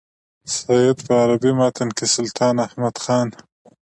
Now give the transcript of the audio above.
سید په عربي متن کې سلطان احمد خان.